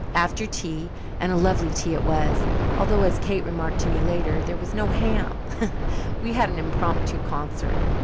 After tea and a lovely tea it was, although, as Kate remarked to me later, there was no ham we had an impromptu concert.